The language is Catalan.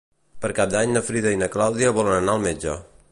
Per Cap d'Any na Frida i na Clàudia volen anar al metge.